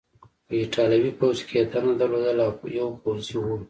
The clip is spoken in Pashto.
په ایټالوي پوځ کې یې دنده درلودله او یو پوځي و.